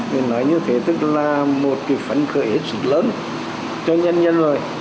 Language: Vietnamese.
mình nói như thế tức là một phản khởi hết sức lớn cho nhân nhân rồi